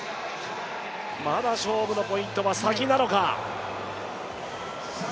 まだ勝負のポイントは先なのか。